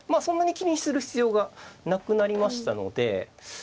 そんなに気にする必要がなくなりましたので。